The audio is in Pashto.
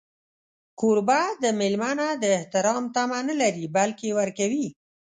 کوربه د مېلمه نه د احترام تمه نه لري، بلکې ورکوي.